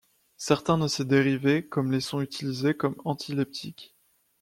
Certains de ses dérivés comme les sont utilisés comme antiépileptique.